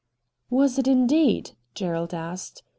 ' Was it indeed ?' Gerald asked.